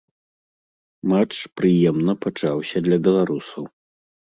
Матч прыемна пачаўся для беларусаў.